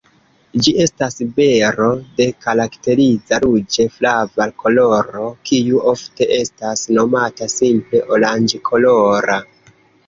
Ĝi estas bero de karakteriza ruĝe-flava koloro, kiu ofte estas nomata simple oranĝkolora.